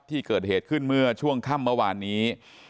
ที่เกิดเหตุขึ้นเมื่อช่วงค่ำเมื่อวานนี้